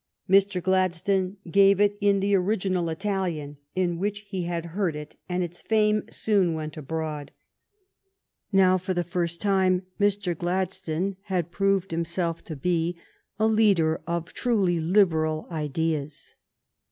Mr. Gladstone gave it in the original Italian in which he had heard it, and its fame soon went abroad. Now, for the first time, Mr. Gladstone had proved himself to be a leader of 136 THE STORY OF GLADSTONE'S LIFE truly Liberal ideas.